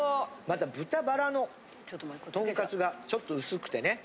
また豚バラのトンカツがちょっと薄くてね。